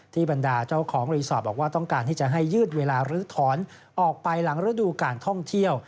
บรรดาเจ้าของรีสอร์ทบอกว่าต้องการที่จะให้ยืดเวลาลื้อถอนออกไปหลังฤดูการท่องเที่ยว